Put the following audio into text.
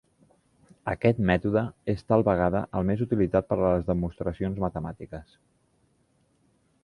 Aquest mètode és tal vegada el més utilitzat per a les demostracions matemàtiques.